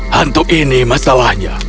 hantu ini masalahnya